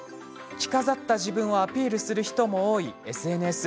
着飾った自分をアピールする人も多いＳＮＳ。